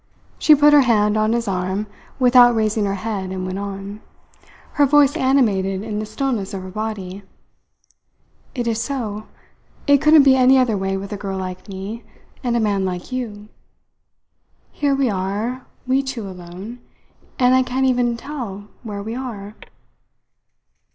She put her hand on his arm, without raising her head, and went on, her voice animated in the stillness of her body: "It is so. It couldn't be any other way with a girl like me and a man like you. Here we are, we two alone, and I can't even tell where we are."